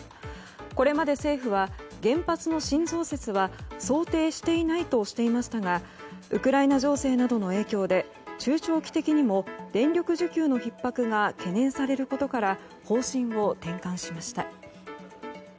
これまで政府は原発の新増設は想定していないとしていましたがウクライナ情勢などの影響で中長期的にも電力需給のひっ迫が懸念されることから方針を転換しました。